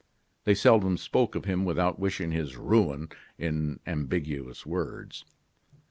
They seldom spoke of him without wishing his ruin in ambiguous words.